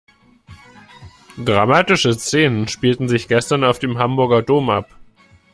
Dramatische Szenen spielten sich gestern auf dem Hamburger Dom ab.